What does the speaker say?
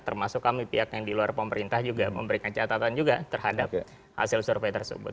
termasuk kami pihak yang di luar pemerintah juga memberikan catatan juga terhadap hasil survei tersebut